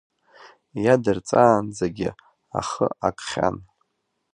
Иадырҵаанӡагьы ахы акхьан.